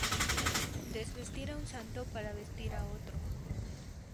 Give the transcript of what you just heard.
Desvestir a un santo para vestir a otro